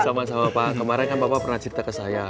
sama sama pak kemarin kan bapak pernah cerita ke saya